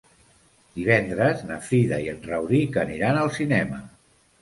Divendres na Frida i en Rauric aniran al cinema.